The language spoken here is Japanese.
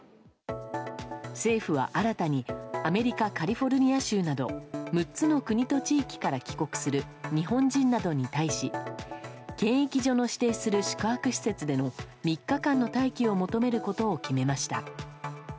政府は新たにアメリカ・カリフォルニア州など６つの国と地域から帰国する日本人などに対し検疫所の指定する宿泊施設での３日間の待機を求めることを決めました。